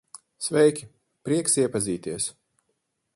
Sveiki, prieks iepazīties.